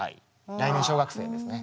来年小学生ですね。